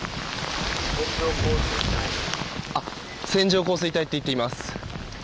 線状降水帯と言っています。